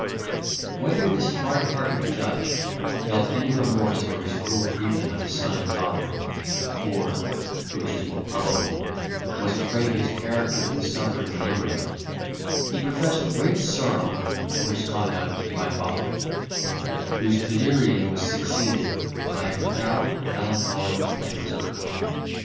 Whether this hardhearted judge felt any remorse for his cruel treatment of his son and daughter, or (which is more probable) was afraid his character would suffer in the neighbourhood, he professed great sorrow for his conduct to my father, whose delirium was succeeded by a profound melancholy and reserve.